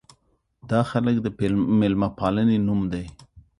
دا خلک د مېلمه پالنې نوم لري.